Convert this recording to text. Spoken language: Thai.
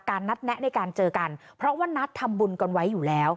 นัดแนะในการเจอกันเพราะว่านัดทำบุญกันไว้อยู่แล้ว